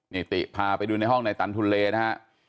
นี่ติพาไปดูในห้องในตันทุนเลนะฮะ